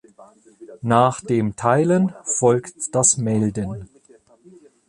Nach dem Teilen folgt das Melden.